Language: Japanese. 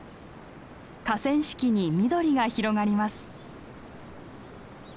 河川敷に緑が広がります。